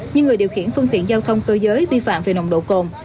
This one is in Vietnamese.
nhưng người điều khiển phương tiện giao thông cơ giới vi phạm về nồng độ cồn